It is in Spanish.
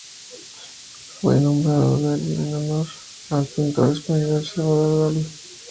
Fue nombrado Dali en honor al pintor español Salvador Dalí.